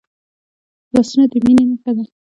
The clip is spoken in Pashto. لاسونه د میننې نښه ده